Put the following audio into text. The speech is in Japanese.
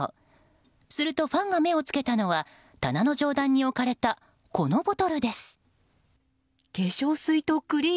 すると、ファンが目を付けたのは棚の上段に置かれたこのボトルです。